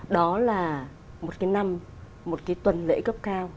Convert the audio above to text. đó là một cái năm một cái tuần lễ cấp cao